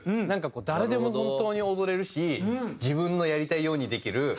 誰でも本当に踊れるし自分のやりたいようにできる。